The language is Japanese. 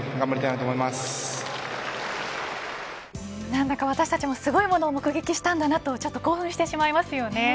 何だか私たちもすごいものを目撃したんだなとちょっと興奮してしまいますよね。